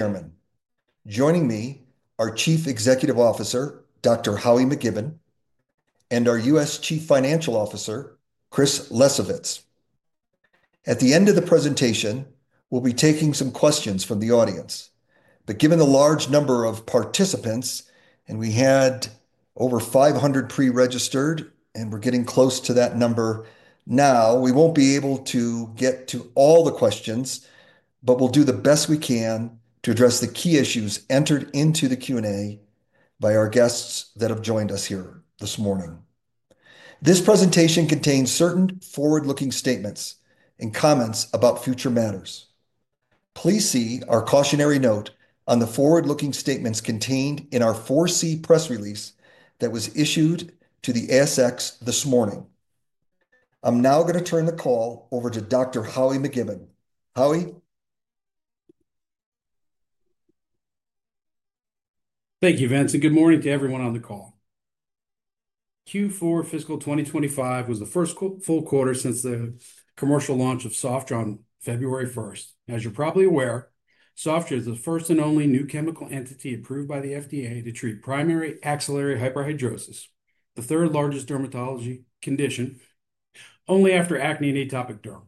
Chairman, joining me are Chief Executive Officer, Dr. Howie McKibbon, and our U.S. Chief Financial Officer, Chris Lesovitz. At the end of the presentation, we'll be taking some questions from the audience. Given the large number of participants, and we had over 500 pre-registered, and we're getting close to that number now, we won't be able to get to all the questions, but we'll do the best we can to address the key issues entered into the Q&A by our guests that have joined us here this morning. This presentation contains certain forward-looking statements and comments about future matters. Please see our cautionary note on the forward-looking statements contained in our 4C press release that was issued to the ASX this morning. I'm now going to turn the call over to Dr. Howie McKibbon. Howie. Thank you, Vince, and good morning to everyone on the call. Q4 fiscal 2025 was the first full quarter since the commercial launch of Sofdra on February 1st. As you're probably aware, Sofdra is the first and only new chemical entity approved by the FDA to treat primary axillary hyperhidrosis, the third largest dermatology condition, only after acne and atopic derm,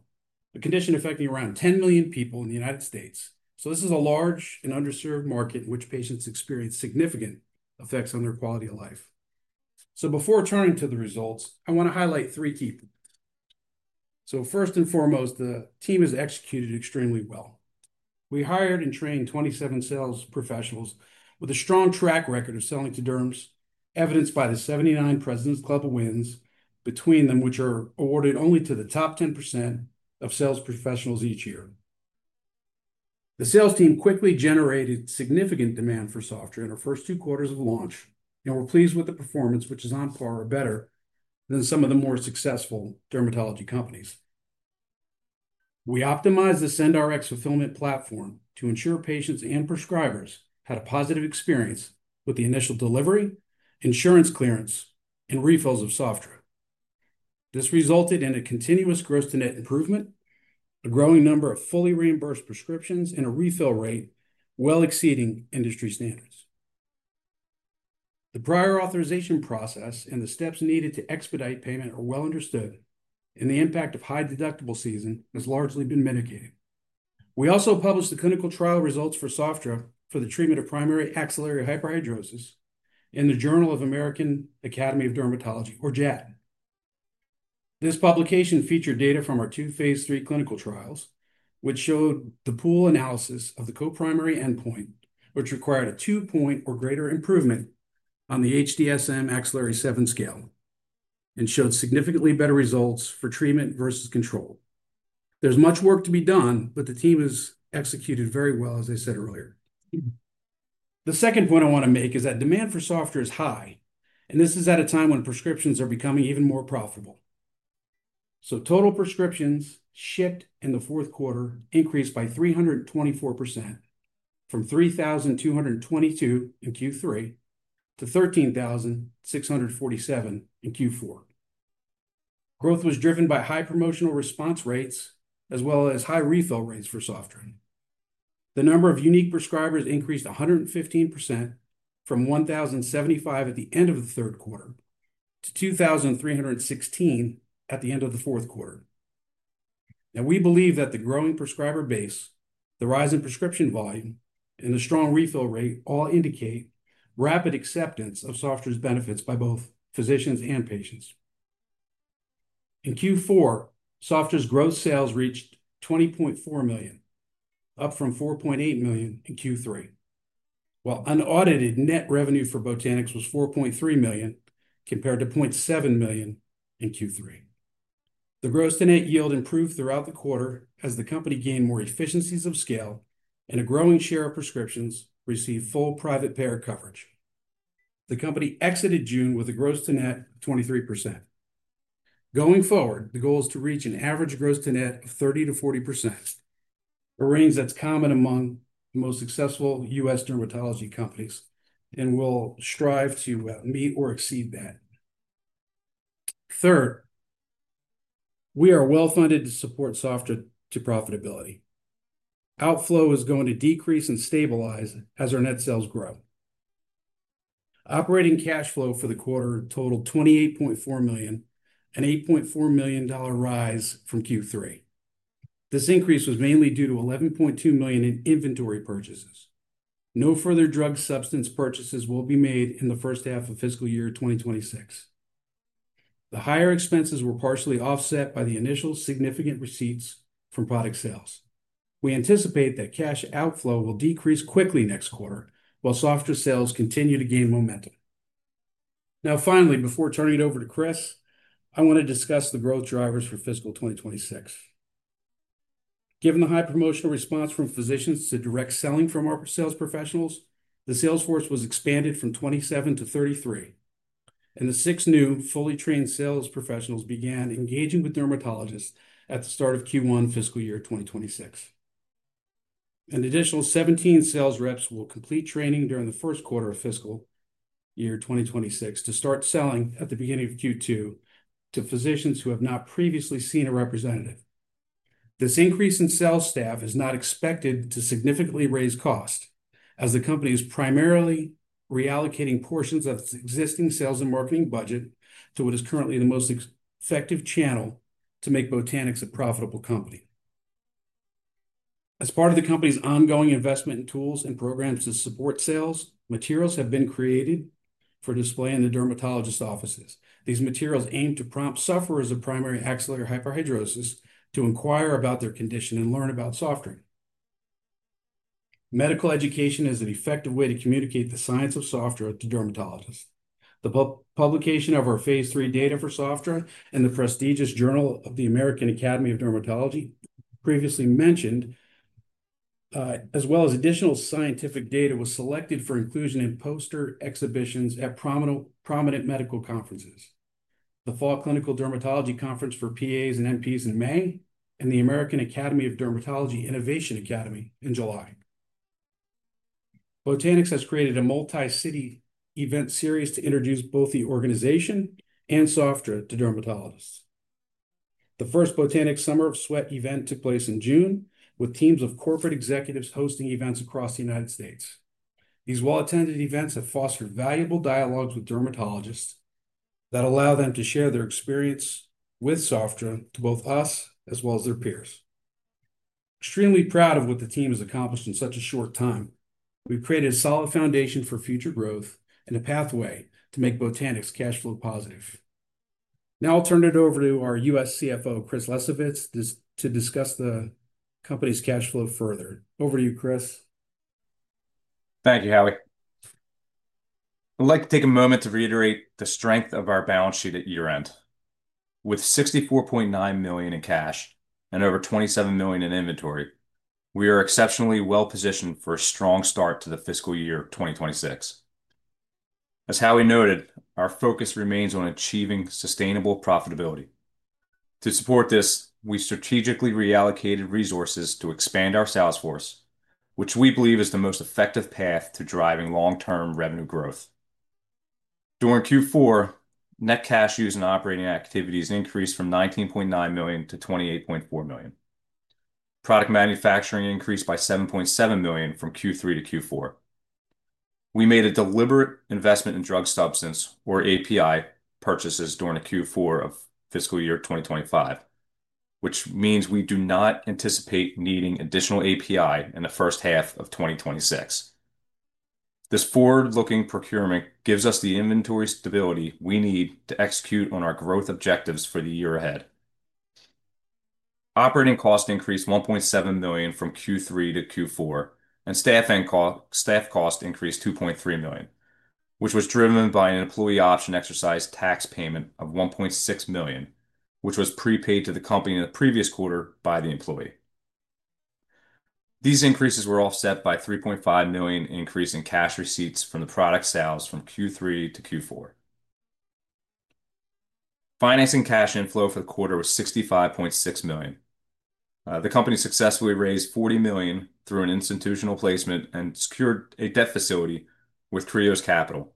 a condition affecting around 10 million people in the Unitd States. This is a large and underserved market, which patients experience significant effects on their quality of life. Before turning to the results, I want to highlight three key points. First and foremost, the team has executed extremely well. We hired and trained 27 sales professionals with a strong track record of selling to derms, evidenced by the 79 Presidents Club wins between them, which are awarded only to the top 10% of sales professionals each year. The sales team quickly generated significant demand for Sofdra in our first two quarters of launch, and we're pleased with the performance, which is on par or better than some of the more successful dermatology companies. We optimized the SendRx fulfillment platform to ensure patients and prescribers had a positive experience with the initial delivery, insurance clearance, and refills of Sofdra. This resulted in a continuous gross to net improvement, a growing number of fully reimbursed prescriptions, and a refill rate well exceeding industry standards. The prior authorization process and the steps needed to expedite payment are well understood, and the impact of high deductible season has largely been mitigated. We also published the clinical trial results for Sofdra for the treatment of primary axillary hyperhidrosis in the Journal of the American Academy of Dermatology, or JAD. This publication featured data from our two phase III clinical trials, which showed the pooled analysis of the coprimary endpoint, which required a two-point or greater improvement on the HDSM axillary-7 scale, and showed significantly better results for treatment versus control. There's much work to be done, but the team has executed very well, as I said earlier. The second point I want to make is that demand for Sofdra is high, and this is at a time when prescriptions are becoming even more profitable. Total prescriptions shipped in the fourth quarter increased by 324% from 3,222 in Q3 to 13,647 in Q4. Growth was driven by high promotional response rates, as well as high refill rates for Sofdra. The number of unique prescribers increased 115% from 1,075 at the end of the third quarter to 2,316 at the end of the fourth quarter. Now, we believe that the growing prescriber base, the rise in prescription volume, and the strong refill rate all indicate rapid acceptance of Sofdra's benefits by both physicians and patients. In Q4, Sofdra's gross sales reached $20.4 million, up from $4.8 million in Q3, while unaudited net revenue for Botanix was $4.3 million compared to $0.7 million in Q3. The gross to net yield improved throughout the quarter as the company gained more efficiencies of scale, and a growing share of prescriptions received full private payer coverage. The company exited June with a gross to net of 23%. Going forward, the goal is to reach an average gross to net of 30%-40%, a range that's common among the most successful U.S. dermatology companies, and we'll strive to meet or exceed that. Third, we are well-funded to support Sofdra to profitability. Outflow is going to decrease and stabilize as our net sales grow. Operating cash flow for the quarter totaled $28.4 million, an $8.4 million rise from Q3. This increase was mainly due to $11.2 million in inventory purchases. No further drug substance purchases will be made in the first half of fiscal year 2026. The higher expenses were partially offset by the initial significant receipts from product sales. We anticipate that cash outflow will decrease quickly next quarter, while Sofdra sales continue to gain momentum. Now, finally, before turning it over to Chris, I want to discuss the growth drivers for fiscal 2026. Given the high promotional response from physicians to direct selling from our sales professionals, the sales force was expanded from 27%-33%, and the six new fully trained sales professionals began engaging with dermatologists at the start of Q1 fiscal year 2026. An additional 17 sales reps will complete training during the first quarter of fiscal year 2026 to start selling at the beginning of Q2 to physicians who have not previously seen a representative. This increase in sales staff is not expected to significantly raise costs, as the company is primarily reallocating portions of its existing sales and marketing budget to what is currently the most effective channel to make Botanix a profitable company. As part of the company's ongoing investment in tools and programs to support sales, materials have been created for display in the dermatologist's offices. These materials aim to prompt sufferers of primary axillary hyperhidrosis to inquire about their condition and learn about Sofdra. Medical education is an effective way to communicate the science of Sofdra to dermatologists. The publication of our phase III data for Sofdra in the prestigious Journal of the American Academy of Dermatology previously mentioned, as well as additional scientific data, was selected for inclusion in poster exhibitions at prominent medical conferences: the Fall Clinical Dermatology Conference for PAs and NPs in May, and the American Academy of Dermatology Innovation Academy in July. Botanix has created a multi-city event series to introduce both the organization and Sofdra to dermatologists. The first Botanix Summer of Sweat event took place in June, with teams of corporate executives hosting events across the United States. These well-attended events have fostered valuable dialogues with dermatologists that allow them to share their experience with Sofdra to both us as well as their peers. Extremely proud of what the team has accomplished in such a short time. We've created a solid foundation for future growth and a pathway to make Botanix cash flow positive. Now I'll turn it over to our U.S. CFO, Chris Lesovitz, to discuss the company's cash flow further. Over to you, Chris. Thank you, Howie. I'd like to take a moment to reiterate the strength of our balance sheet at year-end. With $64.9 million in cash and over $27 million in inventory, we are exceptionally well-positioned for a strong start to the fiscal year 2026. As Howie noted, our focus remains on achieving sustainable profitability. To support this, we strategically reallocated resources to expand our sales force, which we believe is the most effective path to driving long-term revenue growth. During Q4, net cash used in operating activities increased from $19.9 million-$28.4 million. Product manufacturing increased by $7.7 million from Q3 to Q4. We made a deliberate investment in drug substance, or API, purchases during Q4 of fiscal year 2025, which means we do not anticipate needing additional API in the first half of 2026. This forward-looking procurement gives us the inventory stability we need to execute on our growth objectives for the year ahead. Operating costs increased $1.7 million from Q3 to Q4, and staff costs increased $2.3 million, which was driven by an employee option exercise tax payment of $1.6 million, which was prepaid to the company in the previous quarter by the employee. These increases were offset by a $3.5 million increase in cash receipts from the product sales from Q3 to Q4. Financing cash inflow for the quarter was $65.6 million. The company successfully raised $40 million through an institutional placement and secured a debt facility with Trios Capital.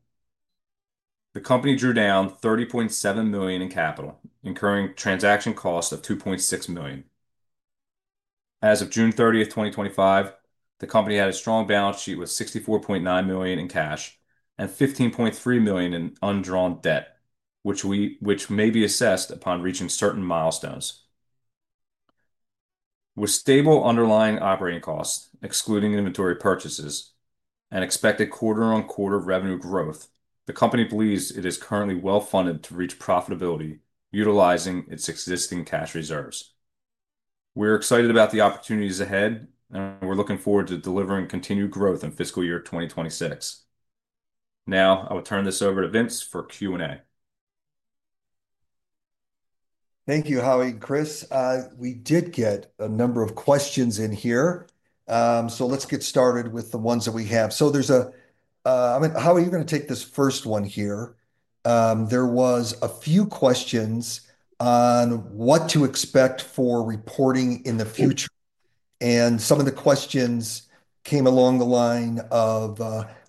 The company drew down $30.7 million in capital, incurring transaction costs of $2.6 million. As of June 30, 2025, the company had a strong balance sheet with $64.9 million in cash and $15.3 million in undrawn debt, which may be accessed upon reaching certain milestones. With stable underlying operating costs, excluding inventory purchases, and expected quarter-on-quarter revenue growth, the company believes it is currently well-funded to reach profitability utilizing its existing cash reserves. We're excited about the opportunities ahead, and we're looking forward to delivering continued growth in fiscal year 2026. Now, I will turn this over to Vince for Q&A. Thank you, Howie. Chris, we did get a number of questions in here. Let's get started with the ones that we have. Howie, you're going to take this first one here. There were a few questions on what to expect for reporting in the future, and some of the questions came along the line of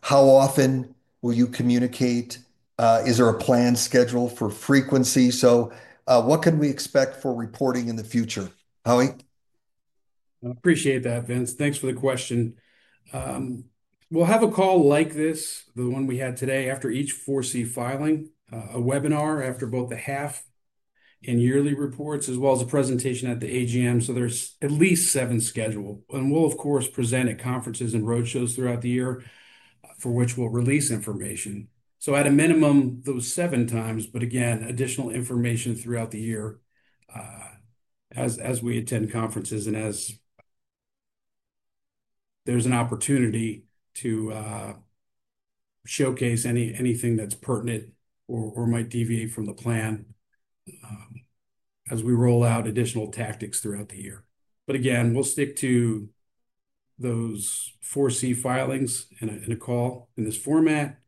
how often will you communicate? Is there a planned schedule for frequency? What can we expect for reporting in the future, Howie? I appreciate that, Vince. Thanks for the question. We'll have a call like this, the one we had today, after each 4C filing, a webinar after both the 1/2 and yearly reports, as well as a presentation at the AGM. There are at least seven scheduled, and we'll, of course, present at conferences and roadshows throughout the year for which we'll release information. At a minimum, those seven times, but again, additional information throughout the year as we attend conferences and as there's an opportunity to showcase anything that's pertinent or might deviate from the plan as we roll out additional tactics throughout the year. We'll stick to those 4C filings in a call in this format.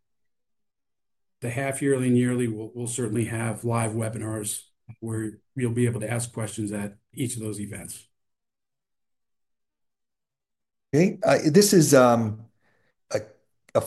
The half, yearly, and yearly, we'll certainly have live webinars where you'll be able to ask questions at each of those events. Okay. This is a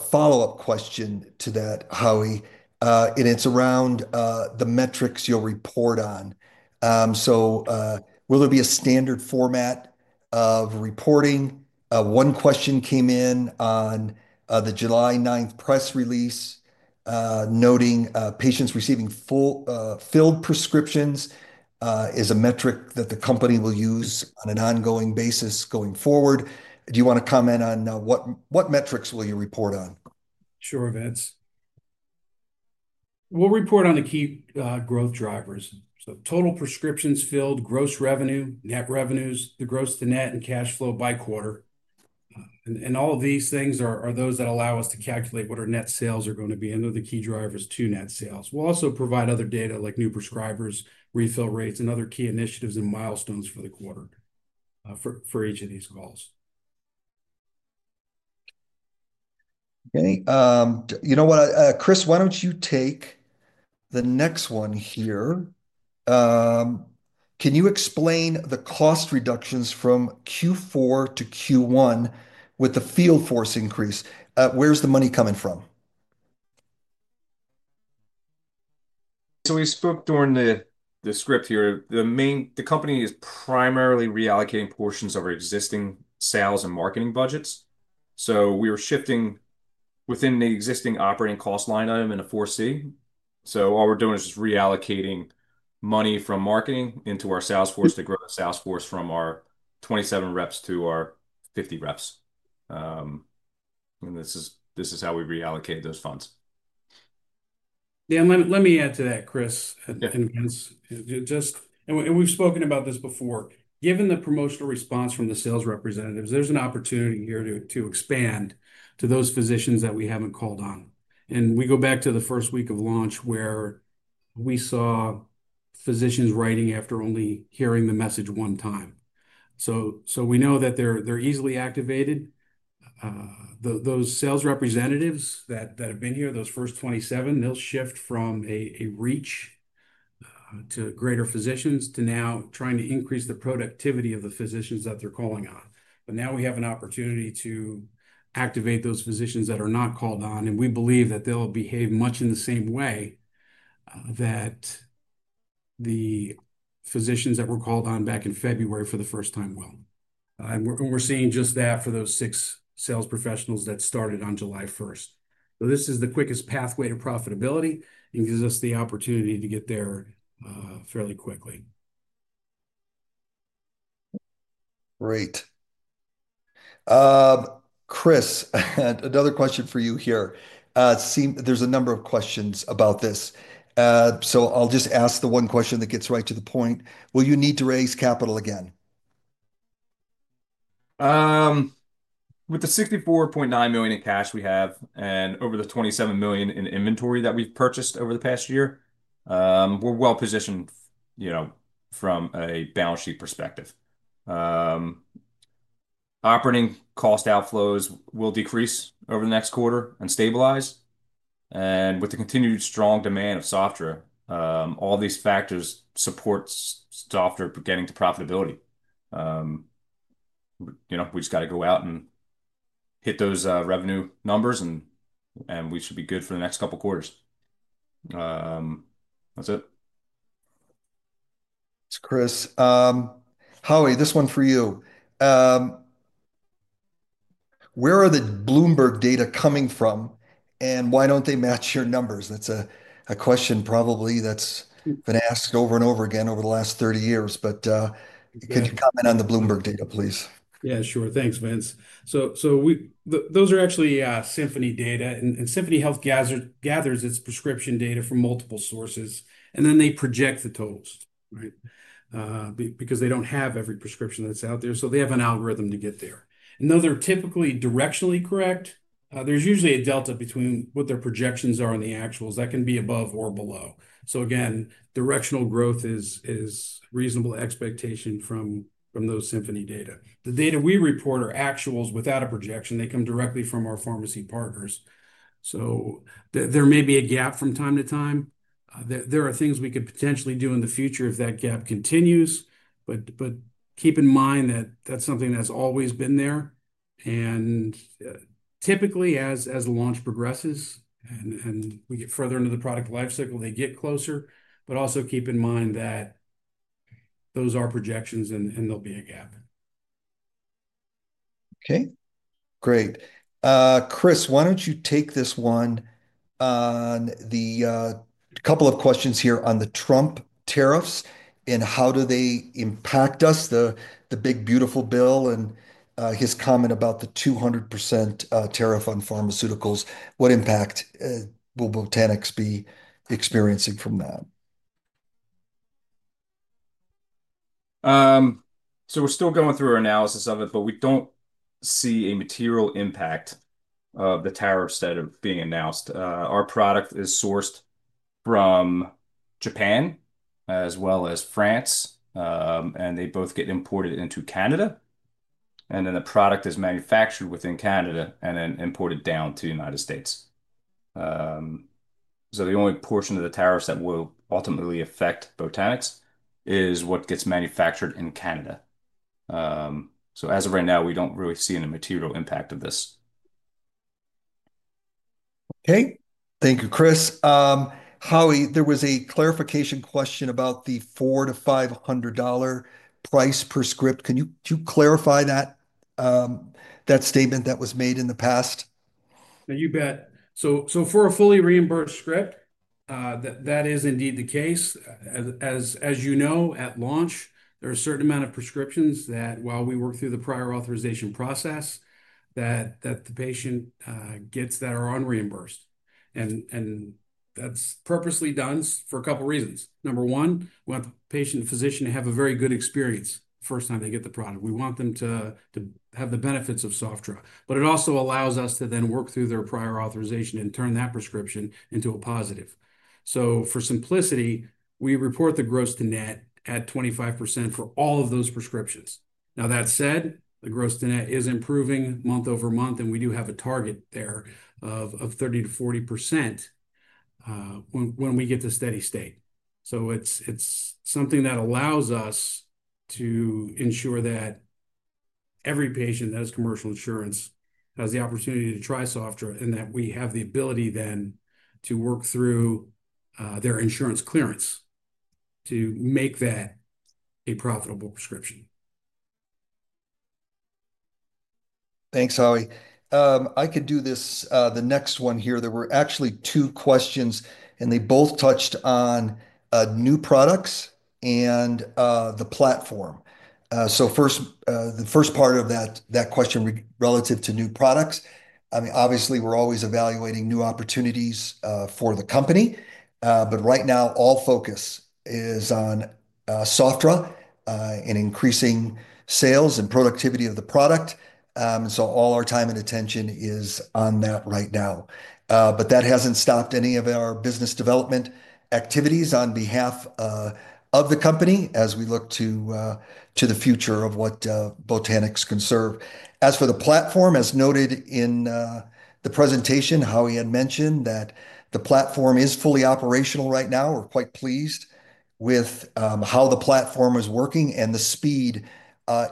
follow-up question to that, Howie, and it's around the metrics you'll report on. Will there be a standard format of reporting? One question came in on the July 9th press release noting patients receiving filled prescriptions is a metric that the company will use on an ongoing basis going forward. Do you want to comment on what metrics will you report on? Sure, Vince. We'll report on the key growth drivers. Total prescriptions filled, gross revenue, net revenues, the gross to net, and cash flow by quarter are all of these things that allow us to calculate what our net sales are going to be, and they're the key drivers to net sales. We'll also provide other data like new prescribers, refill rates, and other key initiatives and milestones for the quarter for each of these calls. Okay. You know what, Chris, why don't you take the next one here? Can you explain the cost reductions from Q4 to Q1 with the field force increase? Where's the money coming from? The company is primarily reallocating portions of our existing sales and marketing budgets. We were shifting within the existing operating cost line item in a 4C. All we're doing is just reallocating money from marketing into our sales force to grow the sales force from our 27 reps to our 50 reps. This is how we reallocated those funds. Yeah, let me add to that, Chris, and Vince. We've spoken about this before. Given the promotional response from the sales representatives, there's an opportunity here to expand to those physicians that we haven't called on. We go back to the first week of launch where we saw physicians writing after only hearing the message one time. We know that they're easily activated. Those sales representatives that have been here, those first 27, they'll shift from a reach to greater physicians to now trying to increase the productivity of the physicians that they're calling on. Now we have an opportunity to activate those physicians that are not called on, and we believe that they'll behave much in the same way that the physicians that were called on back in February for the first time will. We're seeing just that for those six sales professionals that started on July 1st. This is the quickest pathway to profitability and gives us the opportunity to get there fairly quickly. Great. Chris, another question for you here. There's a number of questions about this. I'll just ask the one question that gets right to the point. Will you need to raise capital again? With the $64.9 million in cash we have and over the $27 million in inventory that we've purchased over the past year, we're well positioned, you know, from a balance sheet perspective. Operating cost outflows will decrease over the next quarter and stabilize. With the continued strong demand of Sofdr, all these factors support Sofdra getting to profitability. You know, we just got to go out and hit those revenue numbers, and we should be good for the next couple of quarters. That's it. That's Chris. Howie, this one for you. Where are the Bloomberg data coming from, and why don't they match your numbers? That's a question probably that's been asked over and over again over the last 30 years, but could you comment on the Bloomberg data, please? Yeah, sure. Thanks, Vince. Those are actually Symphony data, and Symphony Health gathers its prescription data from multiple sources, and then they project the totals, right? They don't have every prescription that's out there, so they have an algorithm to get there. Though they're typically directionally correct, there's usually a delta between what their projections are and the actuals that can be above or below. Directional growth is a reasonable expectation from those Symphony data. The data we report are actuals without a projection; they come directly from our pharmacy partners. There may be a gap from time to time. There are things we could potentially do in the future if that gap continues, but keep in mind that that's something that's always been there. Typically, as the launch progresses and we get further into the product lifecycle, they get closer, but also keep in mind that those are projections and there'll be a gap. Okay. Great. Chris, why don't you take this one on the couple of questions here on the Trump tariffs and how do they impact us, the big beautiful bill and his comment about the 200% tariff on pharmaceuticals? What impact will Botanix be experiencing from that? We're still going through our analysis of it, but we don't see a material impact of the tariffs that are being announced. Our product is sourced from Japan as well as France, and they both get imported into Canada, and then the product is manufactured within Canada and then imported down to the United States. The only portion of the tariffs that will ultimately affect Botanix is what gets manufactured in Canada. As of right now, we don't really see any material impact of this. Okay. Thank you, Chris. Howie, there was a clarification question about the $400-$500 price per script. Can you clarify that statement that was made in the past? You bet. For a fully reimbursed script, that is indeed the case. As you know, at launch, there are a certain amount of prescriptions that, while we work through the prior authorization process, the patient gets that are unreimbursed. That is purposely done for a couple of reasons. Number one, we want the patient and physician to have a very good experience the first time they get the product. We want them to have the benefits of Sofdra, but it also allows us to then work through their prior authorization and turn that prescription into a positive. For simplicity, we report the gross to net at 25% for all of those prescriptions. That said, the gross to net is improving month over month, and we do have a target there of 30%-40% when we get to steady state. It is something that allows us to ensure that every patient that has commercial insurance has the opportunity to try Sofdra and that we have the ability then to work through their insurance clearance to make that a profitable prescription. Thanks, Howie. I could do this, the next one here. There were actually two questions, and they both touched on new products and the platform. First, the first part of that question relative to new products, I mean, obviously, we're always evaluating new opportunities for the company, but right now, all focus is on Sofdra and increasing sales and productivity of the product. All our time and attention is on that right now. That hasn't stopped any of our business development activities on behalf of the company as we look to the future of what Botanix can serve. As for the platform, as noted in the presentation, Howie had mentioned that the platform is fully operational right now. We're quite pleased with how the platform is working and the speed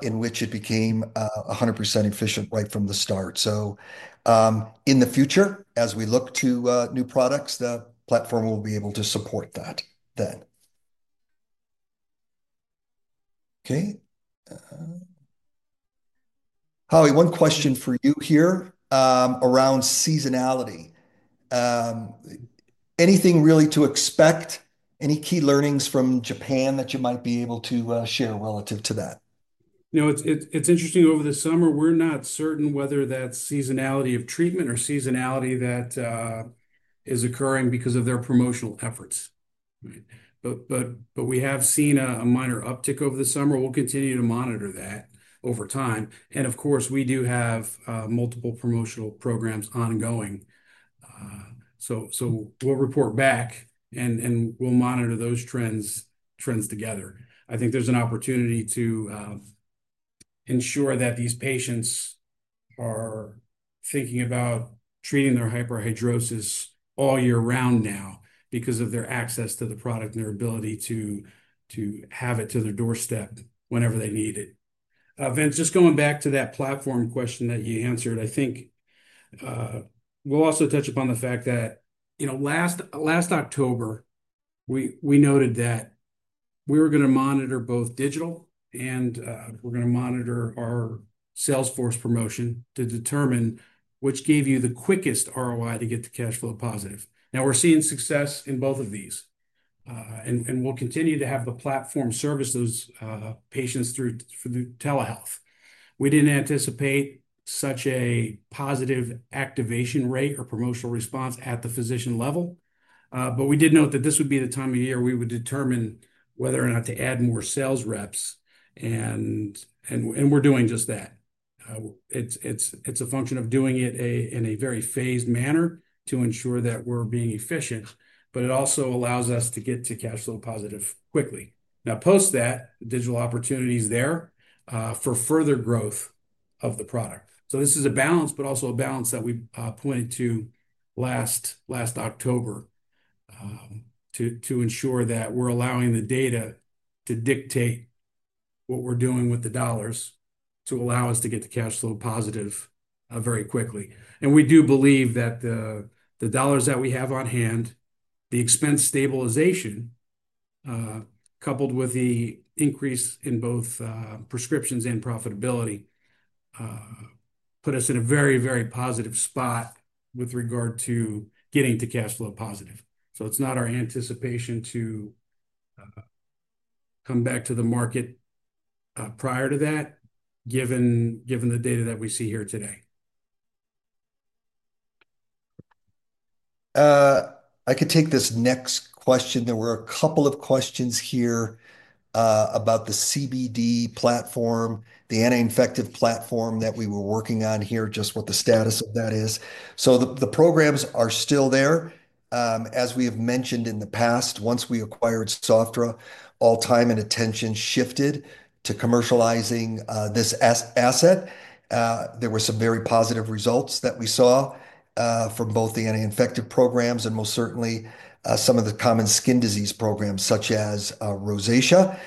in which it became 100% efficient right from the start. In the future, as we look to new products, the platform will be able to support that then. Okay. Howie, one question for you here around seasonality. Anything really to expect? Any key learnings from Japan that you might be able to share relative to that? You know, it's interesting over the summer. We're not certain whether that's seasonality of treatment or seasonality that is occurring because of their promotional efforts. We have seen a minor uptick over the summer. We'll continue to monitor that over time. Of course, we do have multiple promotional programs ongoing. We'll report back and we'll monitor those trends together. I think there's an opportunity to ensure that these patients are thinking about treating their hyperhidrosis all year round now because of their access to the product and their ability to have it to their doorstep whenever they need it. Vince, just going back to that platform question that you answered, I think we'll also touch upon the fact that last October, we noted that we were going to monitor both digital and we're going to monitor our salesforce promotion to determine which gave you the quickest ROI to get to cash flow positive. Now we're seeing success in both of these, and we'll continue to have the platform service those patients through telehealth. We didn't anticipate such a positive activation rate or promotional response at the physician level, but we did note that this would be the time of year we would determine whether or not to add more sales reps, and we're doing just that. It's a function of doing it in a very phased manner to ensure that we're being efficient, but it also allows us to get to cash flow positive quickly. Now, post that, digital opportunities there for further growth of the product. This is a balance, but also a balance that we pointed to last October to ensure that we're allowing the data to dictate what we're doing with the dollars to allow us to get to cash flow positive very quickly. We do believe that the dollars that we have on hand, the expense stabilization coupled with the increase in both prescriptions and profitability put us in a very, very positive spot with regard to getting to cash flow positive. It's not our anticipation to come back to the market prior to that, given the data that we see here today. I could take this next question. There were a couple of questions here about the CBD platform, the anti-infective platform that we were working on here, just what the status of that is. The programs are still there. As we have mentioned in the past, once we acquired Sofdra, all time and attention shifted to commercializing this asset. There were some very positive results that we saw from both the anti-infective programs and most certainly some of the common skin disease programs such as rosacea.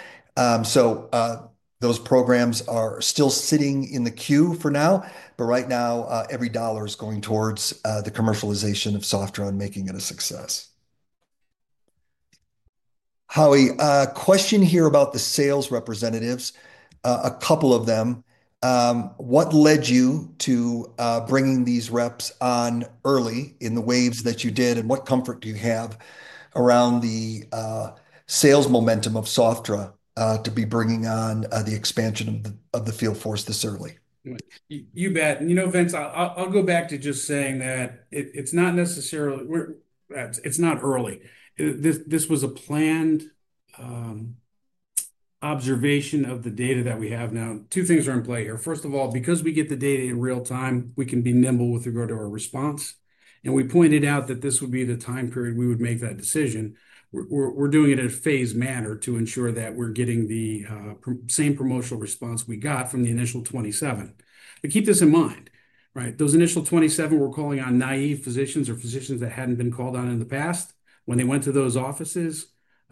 Those programs are still sitting in the queue for now, but right now, every dollar is going towards the commercialization of Sofdra and making it a success. Howie, question here about the sales representatives, a couple of them. What led you to bringing these reps on early in the waves that you did, and what comfort do you have around the sales momentum of Sofdra to be bringing on the expansion of the field force this early? You bet. Vince, I'll go back to just saying that it's not necessarily, it's not early. This was a planned observation of the data that we have now. Two things are in play here. First of all, because we get the data in real time, we can be nimble with regard to our response. We pointed out that this would be the time period we would make that decision. We're doing it in a phased manner to ensure that we're getting the same promotional response we got from the initial 27. Keep this in mind, right? Those initial 27 were calling on naive physicians or physicians that hadn't been called on in the past. When they went to those offices,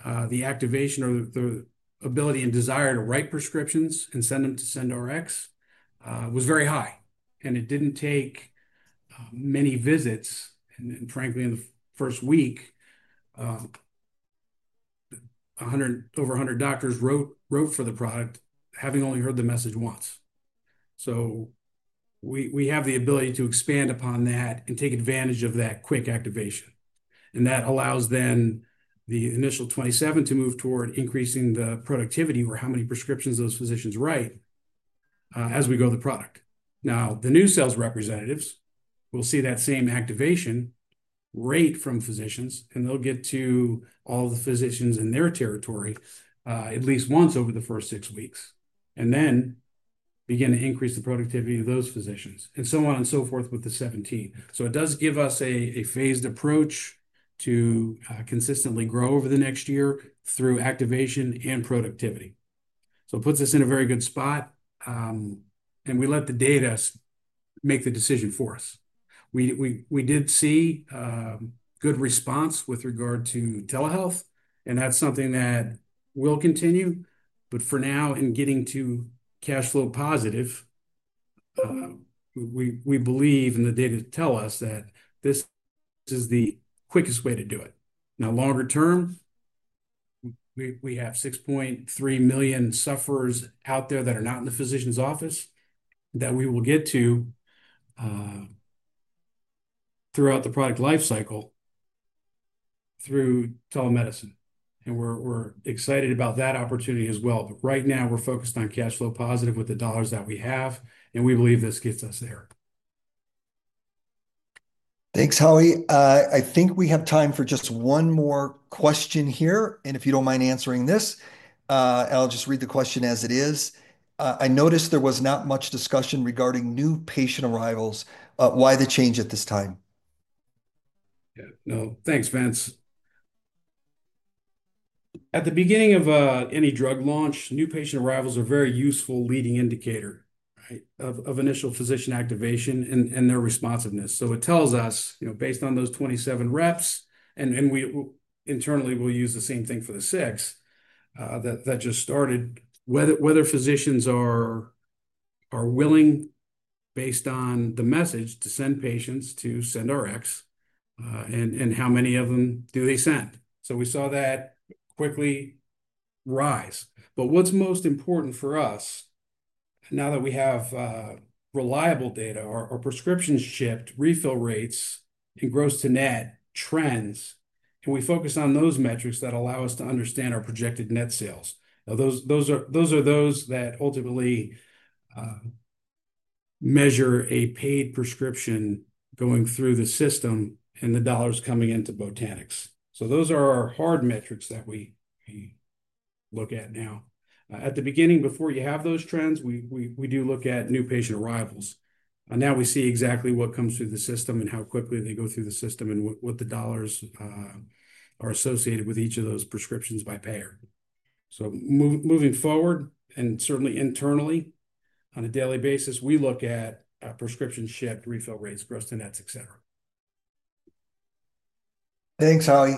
the activation or the ability and desire to write prescriptions and send them to SendRx was very high. It didn't take many visits, and frankly, in the first week, over 100 doctors wrote for the product, having only heard the message once. We have the ability to expand upon that and take advantage of that quick activation. That allows the initial 27 to move toward increasing the productivity or how many prescriptions those physicians write as we go to the product. The new sales representatives will see that same activation rate from physicians, and they'll get to all of the physicians in their territory at least once over the first six weeks and then begin to increase the productivity of those physicians. So on and so forth with the 17. It does give us a phased approach to consistently grow over the next year through activation and productivity. It puts us in a very good spot, and we let the data make the decision for us. We did see a good response with regard to telehealth, and that's something that will continue. For now, in getting to cash flow positive, we believe in the data to tell us that this is the quickest way to do it. Longer term, we have 6.3 million sufferers out there that are not in the physician's office that we will get to throughout the product lifecycle through telemedicine. We're excited about that opportunity as well. Right now, we're focused on cash flow positive with the dollars that we have, and we believe this gets us there. Thanks, Howie. I think we have time for just one more question here. If you don't mind answering this, I'll just read the question as it is. I noticed there was not much discussion regarding new patient arrivals. Why the change at this time? No, thanks, Vince. At the beginning of any drug launch, new patient arrivals are a very useful leading indicator, right, of initial physician activation and their responsiveness. It tells us, you know, based on those 27 reps, and we internally will use the same thing for the six that just started, whether physicians are willing, based on the message, to send patients to SendRx, and how many of them do they send. We saw that quickly rise. What's most important for us now that we have reliable data are prescriptions shipped, refill rates, and gross to net trends, and we focus on those metrics that allow us to understand our projected net sales. Those are those that ultimately measure a paid prescription going through the system and the dollars coming into Botanix. Those are our hard metrics that we look at now. At the beginning, before you have those trends, we do look at new patient arrivals. Now we see exactly what comes through the system and how quickly they go through the system and what the dollars are associated with each of those prescriptions by payer. Moving forward, and certainly internally, on a daily basis, we look at prescriptions shipped, refill rates, gross to nets, etc. Thanks, Howie.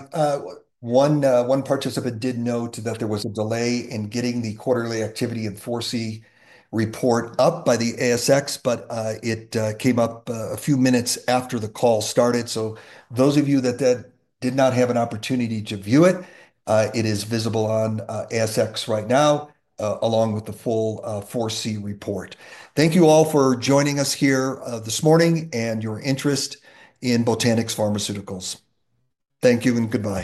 One participant did note that there was a delay in getting the quarterly activity and 4C report up by the ASX, but it came up a few minutes after the call started. Those of you that did not have an opportunity to view it, it is visible on ASX right now, along with the full 4C report. Thank you all for joining us here this morning and your interest in Botanix Pharmaceuticals. Thank you and goodbye.